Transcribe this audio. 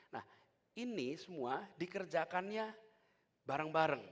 nah ini semua dikerjakannya bareng bareng